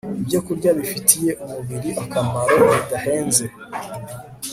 ibyokurya bifitiye umubiri akamaro bidahenze